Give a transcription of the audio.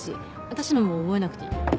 私のも覚えなくていい。